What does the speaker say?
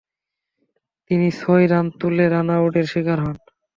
তিনি ছয় রান তুলে রান-আউটের শিকার হন।